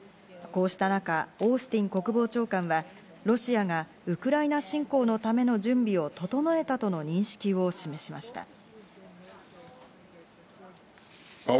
こうした中、オースティン国防長官はロシアがウクライナ侵攻のための準備を整えたとの認識を示しました。